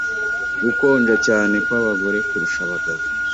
gukonja cyane kw’abagore kurusha abagabo